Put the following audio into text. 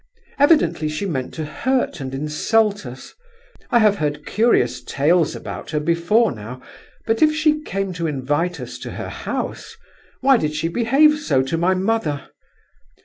Evidently she meant to hurt and insult us. I have heard curious tales about her before now, but if she came to invite us to her house, why did she behave so to my mother?